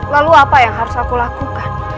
lalu apa yang harus aku lakukan